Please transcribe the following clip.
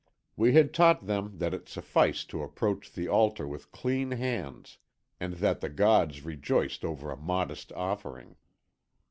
We had taught them that it sufficed to approach the altar with clean hands, and that the gods rejoiced over a modest offering.